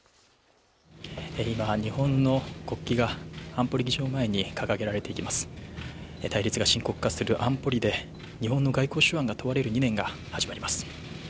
今、日本の国旗が安保理議場前に掲げられていきます対立が深刻化する安保理で日本の外交手腕が問われる２年が始まります